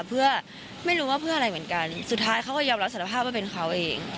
เพื่อไม่รู้ว่าเพื่ออะไรเหมือนกันสุดท้ายเขาก็ยอมรับสารภาพว่าเป็นเขาเอง